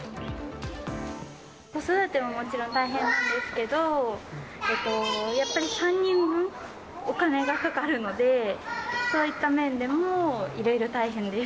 子育てももちろん大変なんですけど、やっぱり３人分お金がかかるので、そういった面でもいろいろ大変です。